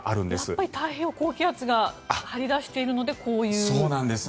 やっぱり太平洋高気圧が張り出しているのでこういう。